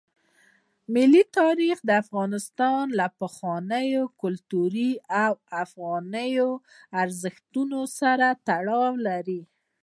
ملي تاریخ د افغانستان له پخوانیو کلتوري او افغاني ارزښتونو سره تړاو لري.